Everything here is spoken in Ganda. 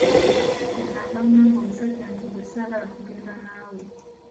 Kye nnava ngamba omusajja nti, nze saagala kugenda naawe.